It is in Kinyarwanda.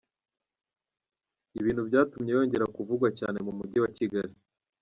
Ibintu byatumye yongera kuvugwa cyane mu mujyi wa Kigali.